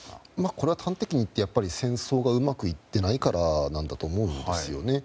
これは端的にいって戦争がうまくいっていないからだと思います。